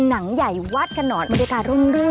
หนังใหญ่วัดขนอนบริการุ่นนี้